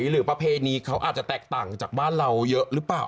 ประเพณีเขาอาจจะแตกต่างจากบ้านเราเยอะหรือเปล่า